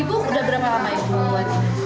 ibu sudah berapa lama ibu buat bento